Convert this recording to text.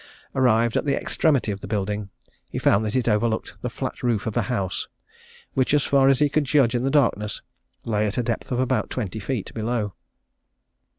Arrived at the extremity of the building, he found that it overlooked the flat roof of a house, which, as far as he could judge in the darkness, lay at a depth of about twenty feet below.